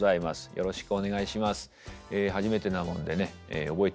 よろしくお願いします。